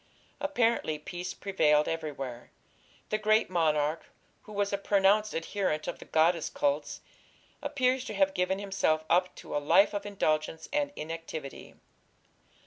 Apparently peace prevailed everywhere. The great monarch, who was a pronounced adherent of the goddess cults, appears to have given himself up to a life of indulgence and inactivity.